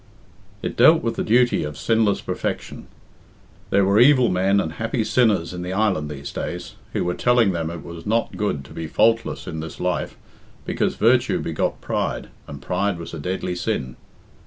It dealt with the duty of sinless perfection. There were evil men and happy sinners in the island these days, who were telling them it was not good to be faultless in this life, because virtue begot pride, and pride was a deadly sin.